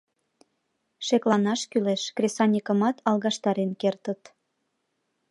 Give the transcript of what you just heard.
Шекланаш кӱлеш, кресаньыкымат алгаштарен кертыт.